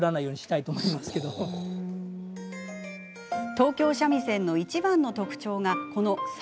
東京三味線のいちばんの特徴がこの棹。